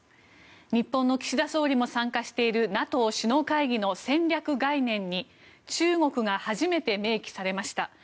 日本の岸田総理も参加しているＮＡＴＯ首脳会議の戦略概念に中国が初めて明記されました。